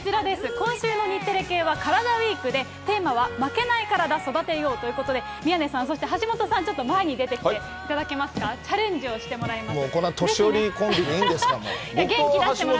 今週の日テレ系はカラダＷＥＥＫで、テーマは負けないカラダ、育てようということで、宮根さん、そして橋下さん、ちょっと前に出てきていただけますか、チャレンジしてもらいます。